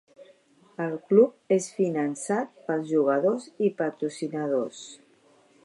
El club és finançat pels jugadors i patrocinadors.